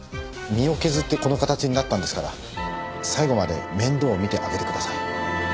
身を削ってこの形になったんですから最後まで面倒見てあげてください。